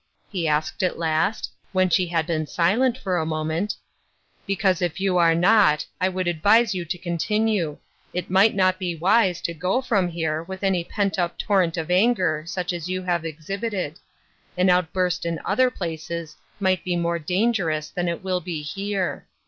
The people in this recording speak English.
he asked at last, when she had been silent for a moment ; "because if you are not, I would advise you to continue ; it "o, mamma! good by !" 285 might not be wise to go from here with any pent up torrent of anger such as you have exhibited ; an outburst in other places might be more dan gerous than it will be here.